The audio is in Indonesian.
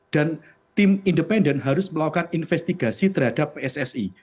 dan tim independen harus melakukan investigasi terhadap pssi